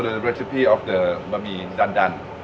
รับทรัพย์ของแบบนี้อะไรต่าง